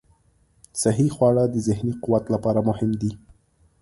صحي خواړه د ذهني قوت لپاره مهم دي.